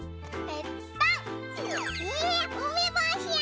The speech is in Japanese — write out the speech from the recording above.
えっ？